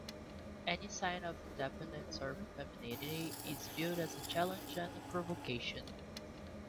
Any sign of independence or femininity is viewed as a challenge and provocation.